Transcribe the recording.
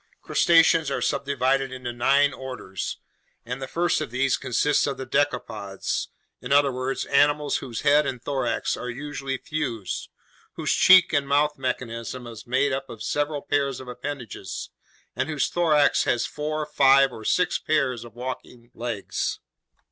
Crustaceans are subdivided into nine orders, and the first of these consists of the decapods, in other words, animals whose head and thorax are usually fused, whose cheek and mouth mechanism is made up of several pairs of appendages, and whose thorax has four, five, or six pairs of walking legs.